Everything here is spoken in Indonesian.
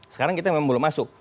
sekarang kita memang belum masuk